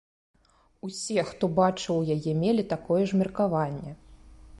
Усе, хто бачыў яе мелі такое ж меркаванне.